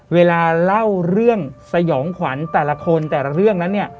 เวลาเล่าเรื่องสยองขวัญแต่ละคนแต่ละเรื่องนั้นเนี่ย